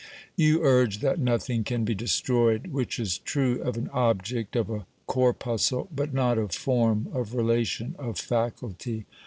You urge that nothing can be destroyed, which is true of an object, of a corpuscle, but not of form, of relation, of faculty.